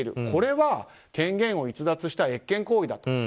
これは権限を逸脱した越権行為だと。